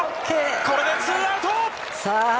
これでツーアウト！